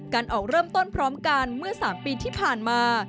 การออกเริ่มต้นพร้อมกันเมื่อ๓ปีที่ผ่านมา